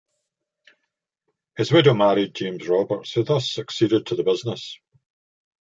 His widow married James Roberts, who thus succeeded to the business.